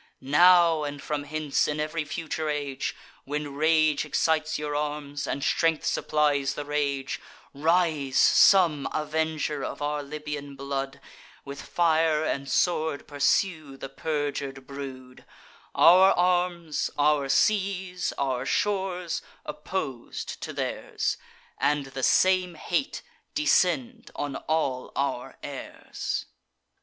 Now, and from hence, in ev'ry future age, When rage excites your arms, and strength supplies the rage Rise some avenger of our Libyan blood, With fire and sword pursue the perjur'd brood; Our arms, our seas, our shores, oppos'd to theirs; And the same hate descend on all our heirs!"